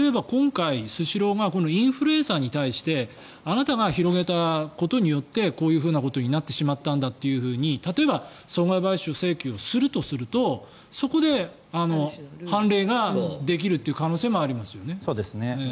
スシローがインフルエンサーにあなたが広げたことでこういうことになってしまったんだと例えば損害賠償請求をするとするとそこで判例ができるという可能性もありますよね。